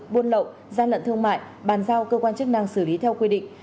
buôn lậu gian lận thương mại bàn giao cơ quan chức năng xử lý theo quy định